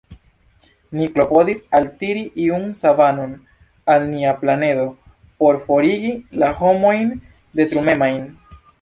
Ni klopodis altiri iun savanton al nia planedo por forigi la homojn detrumemajn.